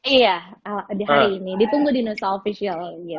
iya di hari ini ditunggu di nusa official